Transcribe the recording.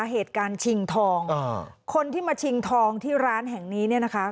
เหตุการณ์ชิงทองคนที่มาชิงทองที่ร้านแห่งนี้เนี่ยนะคะ